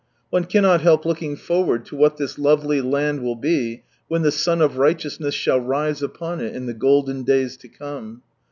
One cannot help looking forward to what this lovely land will be when the Sun of Righteousness shall rise upon it, in the golden days to come.